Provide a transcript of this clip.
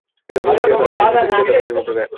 সে তার দাদীর মতোই গায়।